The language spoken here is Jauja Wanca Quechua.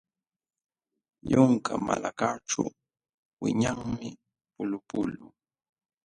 Yunka malakaćhu wiñanmi pulupulu.